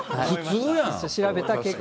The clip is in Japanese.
調べた結果。